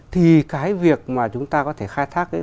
thì cái việc mà chúng ta có thể khai thác ấy